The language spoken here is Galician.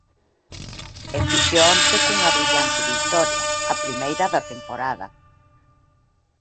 E fíxoo onte cunha brillante vitoria, a primeira da temporada.